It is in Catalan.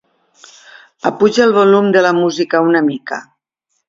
Apuja el volum de la música una mica.